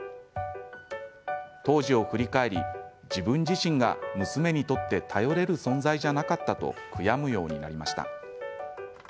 当時を振り返り自分自身が娘にとって頼れる存在じゃなかったと悔やむようになりました。